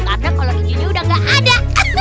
karena kolong inciznya udah nggak ada